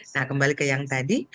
nah kembali ke yang tadi